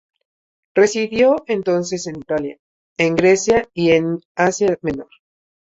Residió entonces en Italia, en Grecia y en Asia Menor.